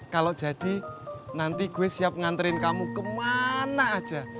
kalau jadi nanti gue siap nganterin kamu kemana aja